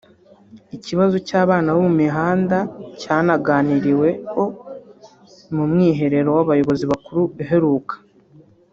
Ikibazo cy’abana bo mumihanda cyanaganiriweho mu mwiherero w’abayobozi bakuru uheruka